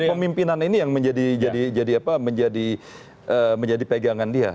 yang kemimpinan ini yang menjadi pegangan dia